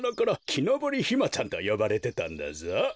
「きのぼりひまちゃん」とよばれてたんだぞ。